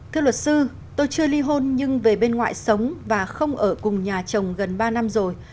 thưa luật sư tôi chưa ly hôn nhưng về bên ngoại sống và không ở cùng nhà chồng gần ba năm rồi